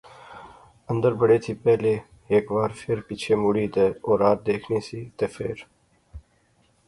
اندر بڑے تھی پہلے ہیک وار فیر پچھے مڑی تہ اورار دیکھنی سی تہ فیر